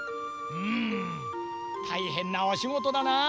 うんたいへんなおしごとだな。